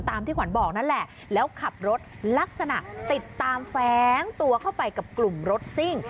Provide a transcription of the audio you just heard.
ที่ขวัญบอกนั่นแหละแล้วขับรถลักษณะติดตามแฟ้งตัวเข้าไปกับกลุ่มรถซิ่ง